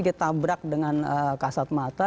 ditabrak dengan kasat mata